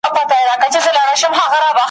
دا سړی چي درته ځیر دی مخامخ په آیینه کي `